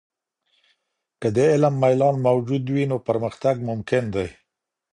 که د علم ميلان موجود وي، نو پرمختګ ممکن دی.